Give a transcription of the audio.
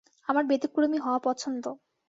আমার ব্যতিক্রমী হওয়া পছন্দ।